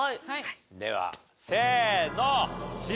ではせーの。